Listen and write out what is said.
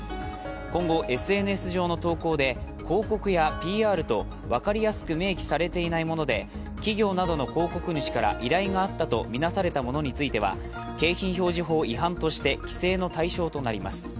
今後、ＳＮＳ上の投稿で広告やＰＲと分かりやすく明記されていないもので企業などの広告主から依頼があったとみなされたものについては、景品表示法違反として規制の対象となります。